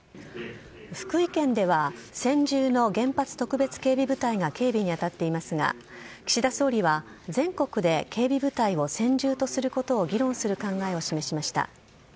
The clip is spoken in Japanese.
福井県では専従の原発特別警備部隊が警備に当たっていますが、岸田総理は全国で警備部隊を専従とすることを議論する考えを示しました。